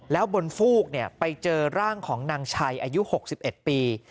แล้วบนฟูกไปเจอร่างของนางชัยอายุ๖๑ปี